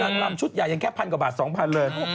นางรำชุดใหญ่ยังแค่๑๐๐๐กว่าบาท๒๐๐๐เลย